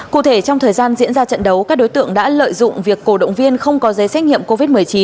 cụ thể trong thời gian diễn ra trận đấu các đối tượng đã lợi dụng việc cổ động viên không có giấy xét nghiệm covid một mươi chín